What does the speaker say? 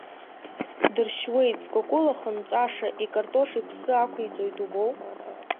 Дыршьуеит, зкәакәылах нҵәаша, икартош иԥсы ақәиҵоит убоу!